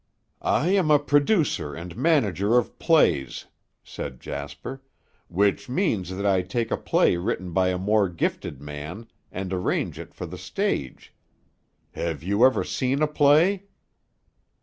"I am a producer and manager of plays," said Jasper, "which means that I take a play written by a more gifted man and arrange it for the stage. Have you ever seen a play?"